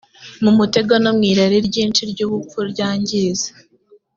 mu mutego no mu irari ryinshi ry ubupfu ryangiza